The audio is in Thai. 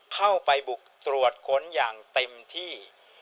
เข้าไปบุกตรวจค้นอย่างเต็มที่